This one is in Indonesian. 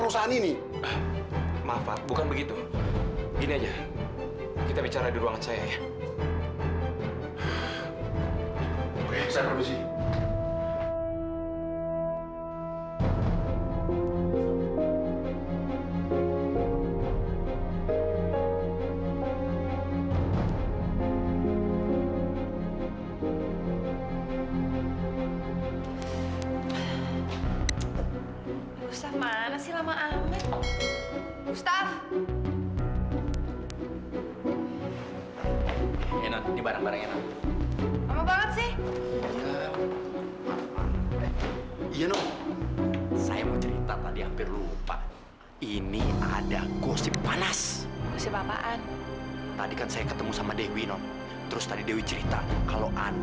sampai jumpa di video selanjutnya